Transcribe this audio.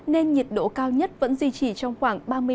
nên nhiệt độ cao nhất vẫn duy trì trong khoảng ba mươi năm